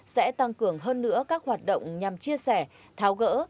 sẽ tăng cường hơn nữa các hoạt động nhằm chia sẻ tháo gỡ